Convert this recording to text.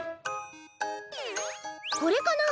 これかな？